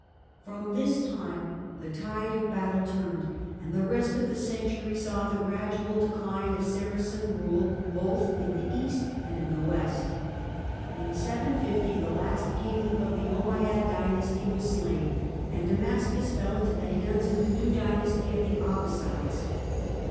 From this time the tide of battle turned, and the rest of the century saw the gradual decline of Saracen rule both in the east and in the west. In 750 the last Caliph of the Ommeyad dynasty was slain, and Damascus fell into the hands of the new dynasty of the Abbasides.